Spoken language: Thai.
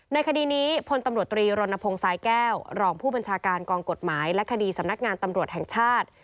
คดีนี้พลตำรวจตรีรณพงศ์สายแก้วรองผู้บัญชาการกองกฎหมายและคดีสำนักงานตำรวจแห่งชาติ